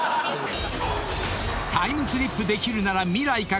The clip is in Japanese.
［タイムスリップできるなら未来か？